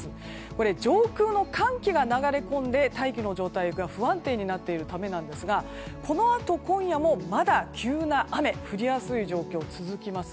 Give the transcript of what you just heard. これ、上空の寒気が流れ込んで大気の状態が不安定になっているためですがこのあと、今夜もまだ急な雨が降りやすい状況が続きます。